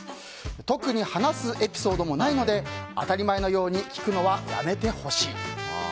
特に話すエピソードもないので当たり前のように聞くのはやめてほしい。